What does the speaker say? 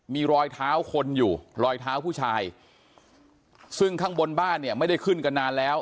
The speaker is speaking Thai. มีรอยเท้าคนอยู่รอยเท้าผู้ชายซึ่งข้างบนบ้านเนี่ยไม่ได้ขึ้นกันนานแล้ว